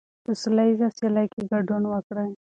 په سوله ییزه سیالۍ کې ګډون وکړئ.